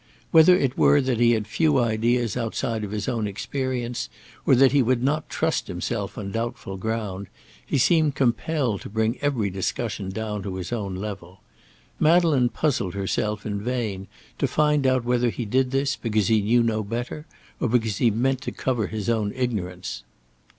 Whether it were that he had few ideas outside of his own experience, or that he would not trust himself on doubtful ground, he seemed compelled to bring every discussion down to his own level. Madeleine puzzled herself in vain to find out whether he did this because he knew no better, or because he meant to cover his own ignorance.